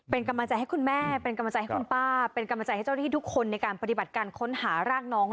เป็นกำลังใจให้คุณแม่เป็นกำลังใจให้คุณป้าเป็นกำลังใจให้เจ้าหน้าที่ทุกคนในการปฏิบัติการค้นหาร่างน้อง